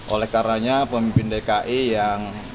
oleh karenanya pemimpin dki yang